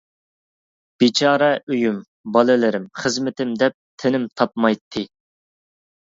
بىچارە ئۆيۈم، بالىلىرىم، خىزمىتىم دەپ تېنىم تاپمايتتى.